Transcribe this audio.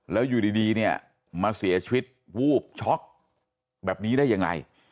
แล้วอยู่ดีเนี่ยมาเสียชีวิตวูบช็อกแบบนี้ได้ยังไง